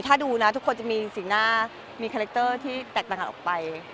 ถ้าดูนะทุกคนจะมีสีหน้ามีคาแรคเตอร์ที่แตกต่างกันออกไป